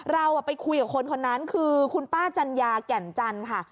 เราไปคุยกับคนคนนั้นคือคุณป้าจัญญาแก่นจันทร์ค่ะ